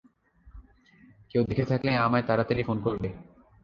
কেউ দেখে থাকলে আমায় তাড়াতাড়ি ফোন করবে।